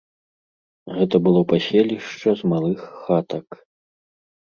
Гэта было паселішча з малых хатак.